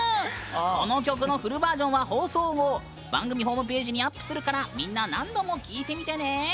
この曲のフルバージョンは放送後、番組ホームページにアップするからみんな、何度も聴いてみてね！